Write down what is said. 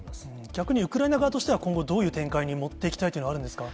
逆にウクライナ側としては今後、どういう展開に持っていきたいというのはあるんですか？